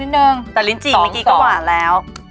นิดนึงแต่จริงนิก่วก็หวานแล้ว